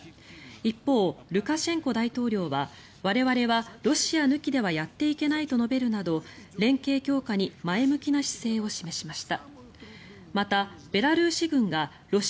一方、ルカシェンコ大統領は我々はロシア抜きではやっていけないと述べるなど連携強化に前向きな姿勢を示しました。